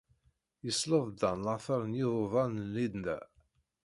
Yesleḍ Dan later n yiḍudan n Linda.